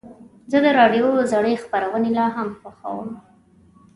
زه د راډیو زړې خپرونې لا هم خوښوم.